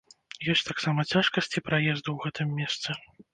Ёсць таксама цяжкасці праезду ў гэтым месцы.